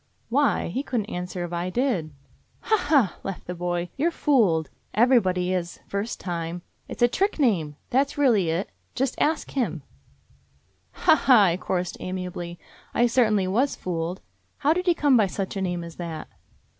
"Why? He couldn't answer if I did." "Ha, ha!" laughed the boy. "You 're fooled. Everybody is, first time. It 's a trick name. That 's really it — just 'Ask Him'." "Ha, ha!" I chorused amiably. "I cer tainly was fooled. How did he come by such a name as that?"